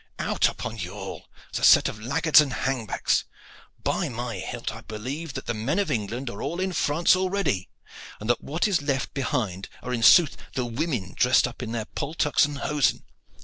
Out upon you all, as a set of laggards and hang backs! By my hilt I believe that the men of England are all in France already, and that what is left behind are in sooth the women dressed up in their paltocks and hosen."